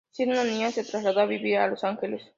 Siendo una niña se trasladó a vivir a Los Ángeles.